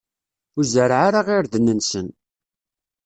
Ur zerreɛ ara irden-nsen.